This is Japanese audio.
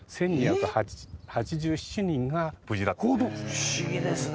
不思議ですね。